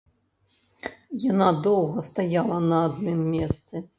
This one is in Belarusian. Яна доўга стаяла на адным месцы.